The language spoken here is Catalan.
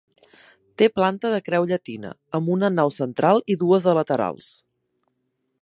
Té planta de creu llatina, amb una nau central i dues de laterals.